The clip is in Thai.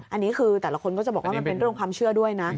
อันนี้คือแต่ละคนก็จะบอกว่ามันเป็นเรื่องความเชื่อด้วยนะ